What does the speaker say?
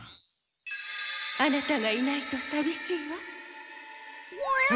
アナタがいないとさびしいわ。